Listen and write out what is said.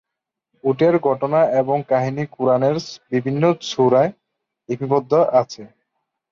উটের ঘটনা এবং কাহিনী কুরআনের বিভিন্ন সূরায় লিপিবদ্ধ আছে।